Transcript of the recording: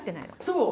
そう。